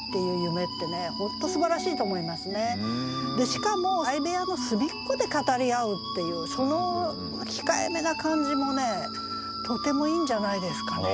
しかも相部屋の隅っこで語り合うっていうその控えめな感じもとてもいいんじゃないですかね。